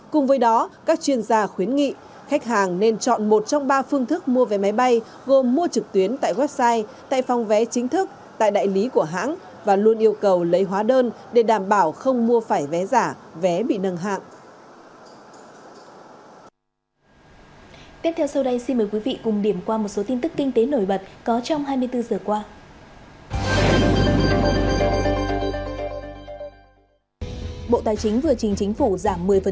cùng với đó các chuyên gia khuyến nghị khách hàng nên chọn một trong ba phương thức mua vé máy bay gồm mua trực tuyến tại website tại phòng vé chính thức tại đại lý của hãng và luôn yêu cầu lấy hóa đơn để đảm bảo không mua phải vé giả vé bị nâng hạng